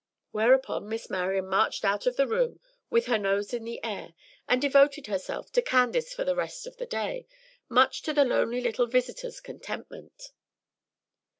Whereupon Miss Marian marched out of the room with her nose in the air, and devoted herself to Candace for the rest of that day, much to the lonely little visitor's contentment.